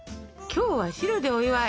「今日は白でお祝い！」。